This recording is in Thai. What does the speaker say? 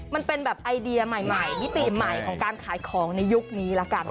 มันเป็นแบบไอเดียใหม่มิติใหม่ของการขายของในยุคนี้ละกัน